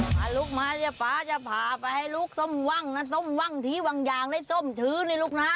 ถ้าลุกมาก็จะพ่าให้ลุกสมว่างความที่บังญาณและส้มถือนี่นะลูกนะ